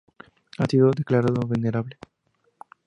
Ha sido declarado venerable.